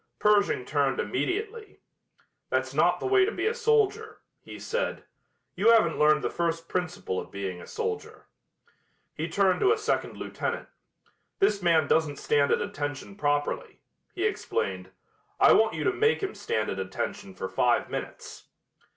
Pershing turned immediately. "That's not the way to be a soldier," he said. "You haven't learned the first principle of being a soldier." He turned to a second lieutenant. "This man doesn't stand at attention properly," he explained. "I want you to make him stand at attention for five minutes."